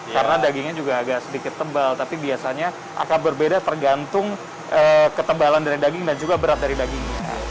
karena dagingnya juga agak sedikit tebal tapi biasanya akan berbeda tergantung ketebalan dari daging dan juga berat dari daging